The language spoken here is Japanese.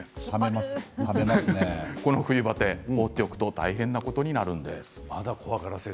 この冬バテ、放っておくと大変なことになるんです。